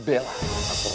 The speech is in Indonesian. bella aku gak peduli kamu